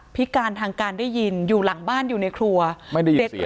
พิการทางการได้ยินอยู่หลังบ้านอยู่ในครัวไม่ได้ยิน